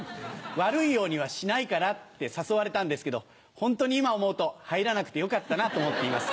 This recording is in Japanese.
悪いようにはしないから」って誘われたんですけどホントに今思うと入らなくてよかったなと思っています。